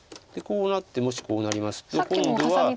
こうなってもしこうなりますと今度は。